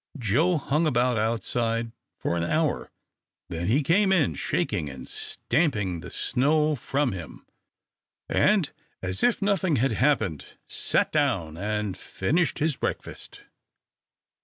Joe hung about outside for an hour, then he came in, shaking and stamping the snow from him, and, as if nothing had happened, sat down and finished his breakfast.